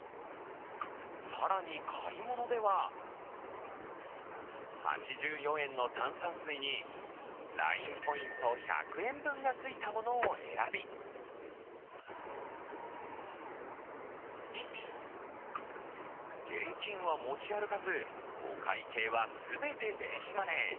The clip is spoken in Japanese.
更に買い物では、８４円の炭酸水にＬＩＮＥポイント１００円分がついたものを選び現金は持ち歩かずお会計は全て電子マネー。